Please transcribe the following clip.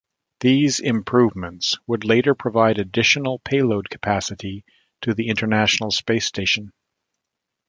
These improvements would later provide additional payload capacity to the International Space Station.